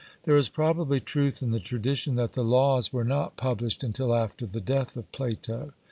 There is probably truth in the tradition that the Laws were not published until after the death of Plato.